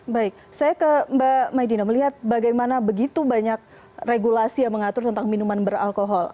baik saya ke mbak maidina melihat bagaimana begitu banyak regulasi yang mengatur tentang minuman beralkohol